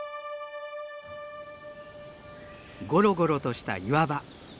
ゴロゴロとした岩場。